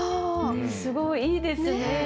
すごいいいですね！